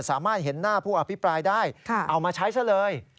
สามารถเห็นหน้าผู้อภิปรายได้เอามาใช้ซะเลย